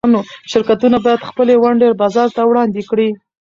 شرکتونه باید خپلې ونډې بازار ته وړاندې کړي.